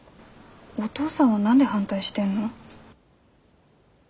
お父さんは何で反対してんの？